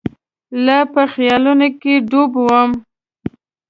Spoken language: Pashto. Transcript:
لا په خیالونو کې ډوب وم.